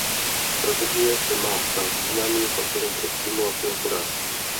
Strategie se má stát významným faktorem pro stimulaci hospodářství.